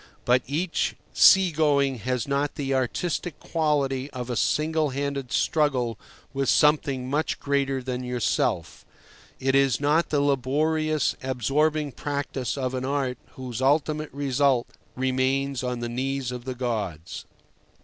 But such sea going has not the artistic quality of a single handed struggle with something much greater than yourself; it is not the laborious absorbing practice of an art whose ultimate result remains on the knees of the gods.